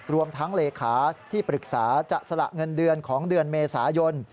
รวมทั้งเลขาที่ปรึกษาจะสละเงินเดือนของเดือนเมษายน